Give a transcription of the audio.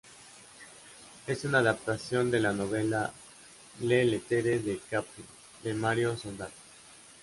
Es una adaptación de la novela "Le lettere da Capri" de Mario Soldati.